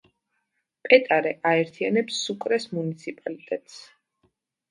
პეტარე აერთიანებს სუკრეს მუნიციპალიტეტს.